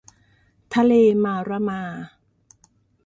ทะเลมาร์มะรา